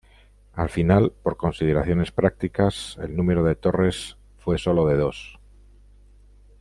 Al final, por consideraciones prácticas, el número de torres fue solo de dos.